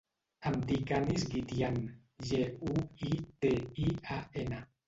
Em dic Anis Guitian: ge, u, i, te, i, a, ena.